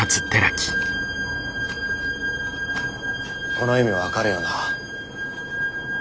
この意味分かるよな？